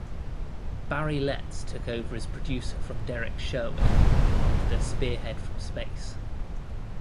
Barry Letts took over as producer from Derrick Sherwin after "Spearhead from Space".